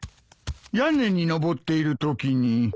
屋根に上っているときに。